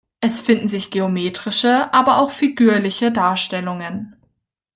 Es finden sich geometrische, aber auch figürliche Darstellungen.